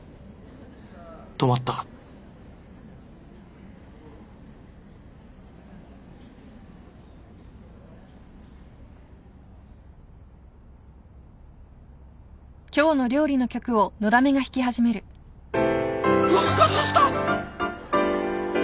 止まった！？復活した！？